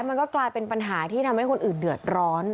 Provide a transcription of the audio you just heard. มันก็กลายเป็นปัญหาที่ทำให้คนอื่นเดือดร้อน